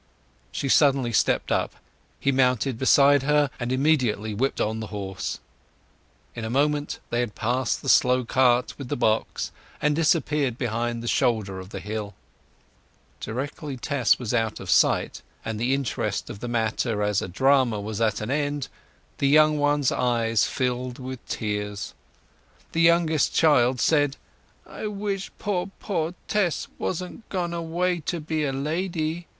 She suddenly stepped up; he mounted beside her, and immediately whipped on the horse. In a moment they had passed the slow cart with the box, and disappeared behind the shoulder of the hill. Directly Tess was out of sight, and the interest of the matter as a drama was at an end, the little ones' eyes filled with tears. The youngest child said, "I wish poor, poor Tess wasn't gone away to be a lady!"